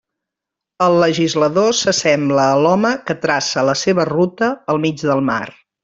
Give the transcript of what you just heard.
El legislador s'assembla a l'home que traça la seva ruta al mig del mar.